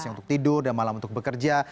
yang untuk tidur dan malam untuk bekerja